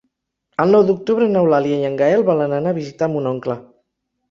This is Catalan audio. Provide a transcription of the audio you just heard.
El nou d'octubre n'Eulàlia i en Gaël volen anar a visitar mon oncle.